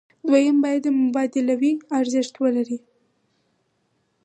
دویم باید مبادلوي ارزښت ولري.